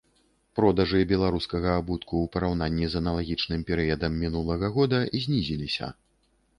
Продажы беларускага абутку ў параўнанні з аналагічным перыядам мінулага года знізіліся.